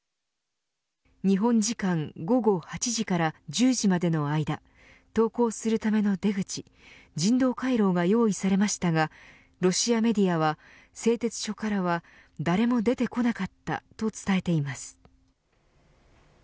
日本時間午後８時から１０時までの間投降するための出口人道回廊が用意されましたがロシアメディアは製鉄所からは誰も出てこなかったと伝えています。